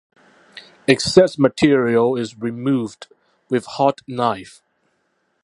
Excess material is removed with hot knife.